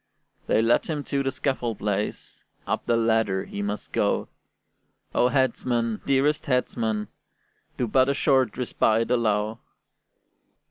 They led him to the scaffold place, Up the ladder he must go: "O headsman, dearest headsman, do But a short respite allow!"